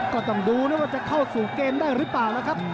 ก็ต้องดูนะว่าจะเข้าสู่เกมได้หรือเปล่านะครับ